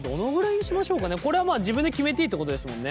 これは自分で決めていいってことですもんね？